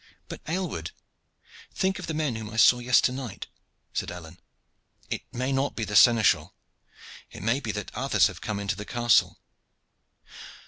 "But, Aylward, think of the men whom I saw yesternight," said Alleyne. "It may not be the seneschal. It may be that others have come into the castle.